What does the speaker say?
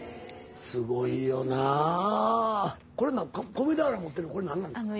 米俵持ってるこれ何なん？